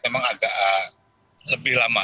memang agak lebih lama